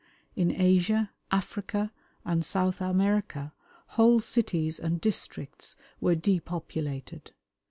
In Asia, Africa, and South America, whole cities and districts were depopulated.